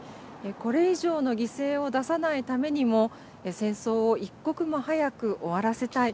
これ以上の犠牲を出さないためにも戦争を一刻も早く終わらせたい。